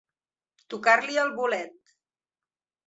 Tocar-li el bolet.